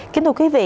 kính thưa quý vị